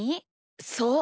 そう。